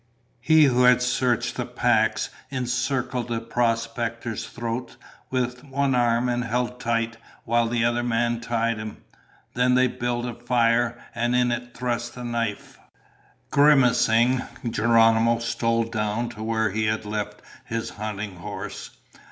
He who had searched the packs encircled the prospector's throat with one arm and held tight while the other man tied him. Then they built a fire and in it thrust a knife. Grimacing, Geronimo stole down to where he had left his hunting horse.